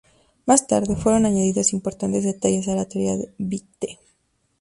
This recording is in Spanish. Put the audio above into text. Más tarde, fueron añadidos importantes detalles a la teoría de Bethe.